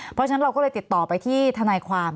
เพราะฉะนั้นเราก็เลยติดต่อไปที่ทนายความ